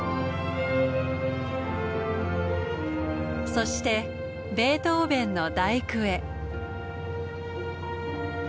そしてベートーベンの「第９」へ。